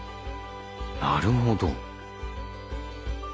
なるほど。